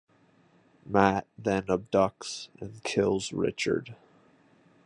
Matt then abducts and kills Richard.